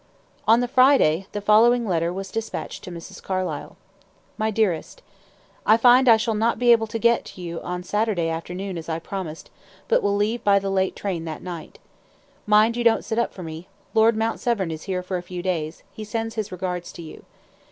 On the Friday, the following letter was dispatched to Mrs. Carlyle. "MY DEAREST I find I shall not be able to get to you on Saturday afternoon, as I promised, but will leave here by the late train that night. Mind you don't sit up for me. Lord Mount Severn is here for a few days; he sends his regards to you.